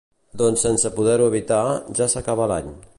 Doncs sense poder evitar-ho, ja s'acaba l'any.